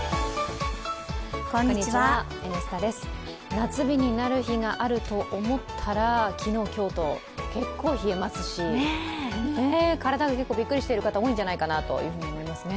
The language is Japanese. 夏日になる日があると思ったら、昨日、今日と結構冷えますし、体が結構びっくりしてる方、多いんじゃないかと思いますね。